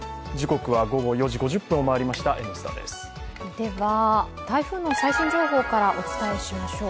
では台風の最新情報からお伝えしましょう。